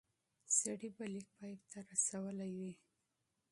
سړی به لیک پای ته رسولی وي.